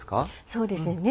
そうですね